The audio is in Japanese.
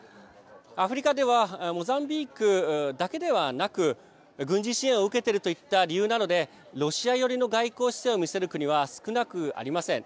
アフリカではモザンビークだけではなく軍事支援を受けているといった理由などでロシア寄りの外交姿勢を見せる国は少なくありません。